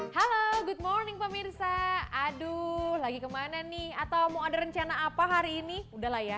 halo good morning pemirsa aduh lagi kemana nih atau mau ada rencana apa hari ini udahlah ya